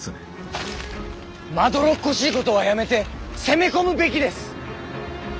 まどろっこしいことはやめて攻め込むべきです！